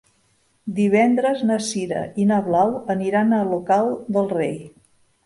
Divendres na Sira i na Blau aniran a Olocau del Rei.